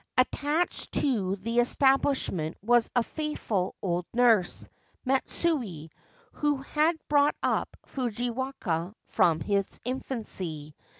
Attached to the establishment was a faithful old nurse, Matsue, who had brought up Fujiwaka from his infancy.